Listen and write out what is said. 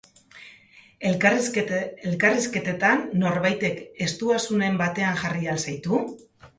Elkarrizketetan norbaitek estuasunen batean jarri al zaitu?